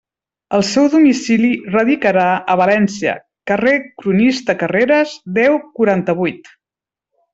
El seu domicili radicarà a València, carrer Cronista Carreres, deu, quaranta-vuit.